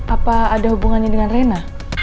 apa ada hubungannya dengan rena